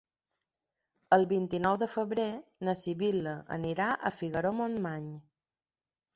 El vint-i-nou de febrer na Sibil·la anirà a Figaró-Montmany.